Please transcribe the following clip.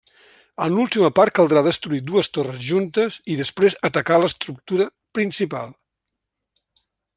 En l'última part caldrà destruir dues torres juntes i després atacar l'estructura principal.